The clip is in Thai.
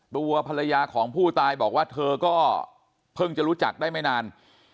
ตัวภรรยาของผู้ตายบอกว่าเธอก็เพิ่งจะรู้จักได้ไม่นาน